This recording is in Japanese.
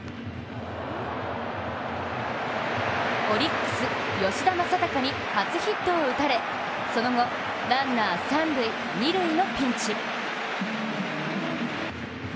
オリックス・吉田正尚に初ヒットを打たれその後、ランナー三・二塁のピンチ。